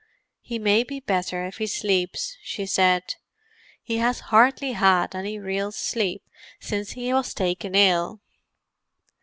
"He may be better if he sleeps," she said. "He has hardly had any real sleep since he was taken ill."